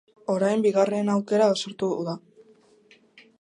Orain bigarren aukera sortu da.